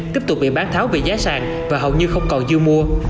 tiếp tục bị bán tháo về giá sàng và hầu như không còn dư mua